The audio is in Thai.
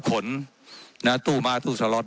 ว่าการกระทรวงบาทไทยนะครับ